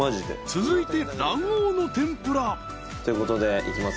［続いて卵黄の天ぷら］ということでいきます。